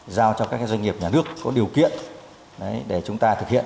giao cho các doanh nghiệp nhà nước có điều kiện để chúng ta thực hiện